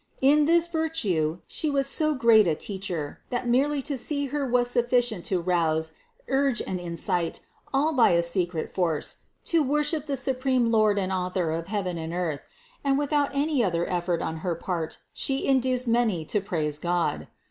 In this virtue She was so great a Teacher, that merely to see Her was sufficient to rouse, urge and incite all by a secret force to worship the supreme Lord and Author of heaven and earth ; and without any other effort on her part She induced many to praise God.